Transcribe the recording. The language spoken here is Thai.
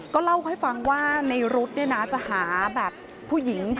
ก็เล่าให้ฟังว่าในรถเนี่ยนะจะหาแบบผู้หญิงผ่านมา